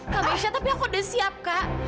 kamesha tapi aku udah siap kak